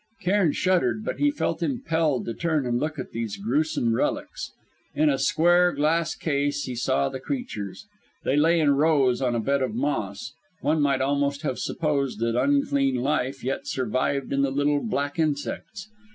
Cairn shuddered, but felt impelled to turn and look at these gruesome relics. In a square, glass case he saw the creatures. They lay in rows on a bed of moss; one might almost have supposed that unclean life yet survived in the little black insects.